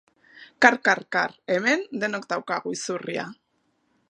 Kar, kar, kar, hemen denok daukagu izurria.